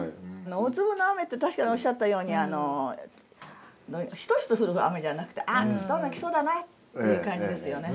大粒の雨って確かにおっしゃったようにしとしと降る雨じゃなくてあっ来そうだ来そうだなっていう感じですよね。